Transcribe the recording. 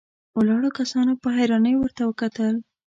ولاړو کسانو په حيرانۍ ورته وکتل.